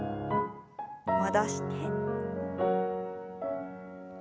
戻して。